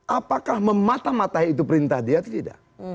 apakah memata matai itu perintah dia atau tidak